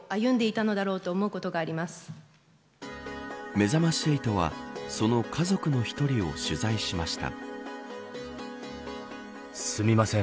めざまし８はその家族の１人を取材しました。